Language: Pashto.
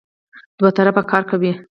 دوه طرفه کار کوي.